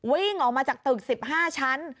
วิ่งออกมาจากตึก๑๕ชั้น